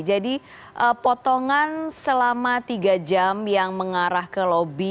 jadi potongan selama tiga jam yang mengarah ke lobby